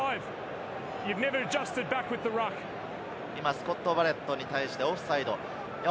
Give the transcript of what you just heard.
スコット・バレットに対してオフサイド。